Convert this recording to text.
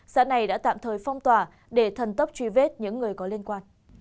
xã này đã tạm thời phong tỏa để thần tốc truy vết những người có liên quan